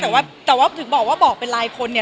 เยอะมากแต่ว่าถึงบอกว่าบอกเป็นไรฆกรณ์นี้